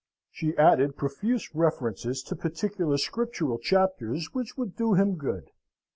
She added profuse references to particular Scriptural chapters which would do him good.